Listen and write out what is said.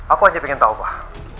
aku hanya ingin tahu pak